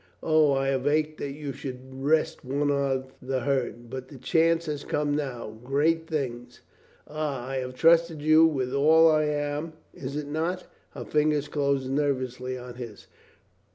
O, I have ached that you should rest one of the herd. But the chance has come now. Great things ! Ah, I have trusted you with all I am. Is it not?" Her fingers closed nervously on his.